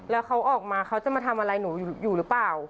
แล้วเขาออกมาเขาจะมาทำอะไรหนูอยู่หรือเปล่า